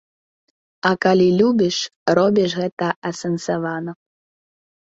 А калі любіш, робіш гэта асэнсавана.